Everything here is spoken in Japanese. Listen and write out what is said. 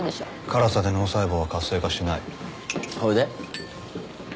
辛さで脳細胞は活性化しないそれで？